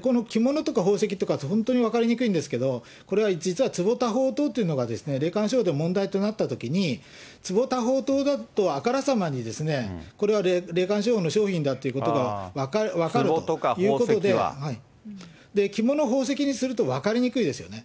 この着物とか宝石とか、本当に分かりにくいんですけど、これは実はつぼたほうとうが霊感商法で問題となったときに、つぼだ宝刀だとはあからさまに、これは霊感商法の商品だということが分かるということで、着物、宝石にすると分かりにくいですよね。